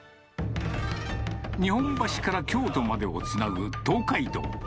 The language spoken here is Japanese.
日本橋から京都までをつなぐ東海道。